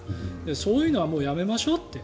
そういうのはもうやめましょうって。